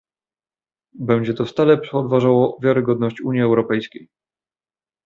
Będzie to stale podważało wiarygodność Unii Europejskiej